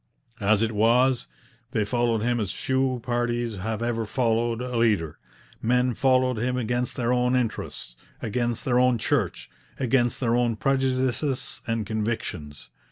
As it was, they followed him as few parties have ever followed a leader. Men followed him against their own interests, against their own Church, against their own prejudices and convictions.